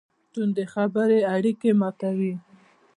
توندې خبرې اړیکې ماتوي.